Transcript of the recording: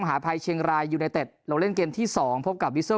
มหาภัยเชียงรายยูนาเต็ดเราเล่นเกมที่สองพบกับวิสเซอล